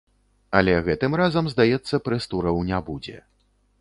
Але гэтым разам, здаецца, прэс-тураў не будзе.